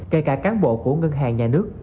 kể cả cán bộ của ngân hàng nhà nước